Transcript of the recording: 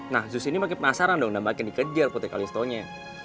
nah zeus ini makin penasaran dan makin dikejar putri kalistonya